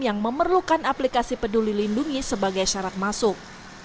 yang memerlukan aplikasi peduli lindungi sebagai syarat masuk